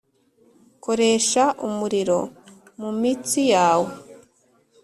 koresha umuriro mumitsi yawe.